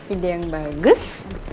ide yang bagus